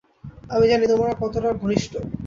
আমি জানি তোমরা কতটা ঘনিষ্ঠ।